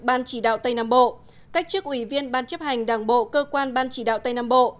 ban chỉ đạo tây nam bộ cách chức ủy viên ban chấp hành đảng bộ cơ quan ban chỉ đạo tây nam bộ